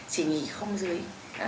chỉ nghỉ không dưới